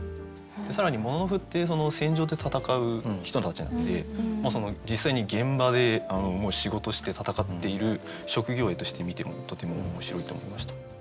更に「もののふ」って戦場で戦う人たちなんで実際に現場で仕事して戦っている職業詠として見てもとても面白いと思いました。